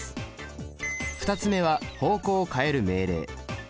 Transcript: ２つ目は方向を変える命令。